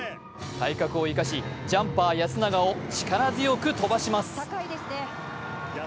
体格を生かしジャンパー・安永を力強く飛ばします。